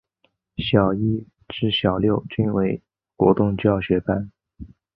小一至小六均为活动教学班。